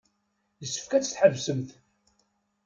Yessefk ad t-tḥebsemt.